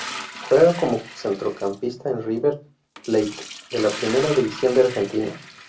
Juega como centrocampista en River Plate de la Primera División de Argentina.